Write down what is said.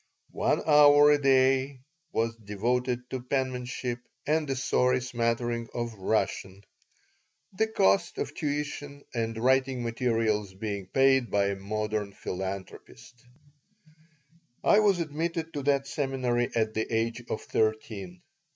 One hour a day was devoted to penmanship and a sorry smattering of Russian, the cost of tuition and writing materials being paid by a "modern" philanthropist I was admitted to that seminary at the age of thirteen.